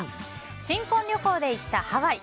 新婚旅行で行ったハワイ。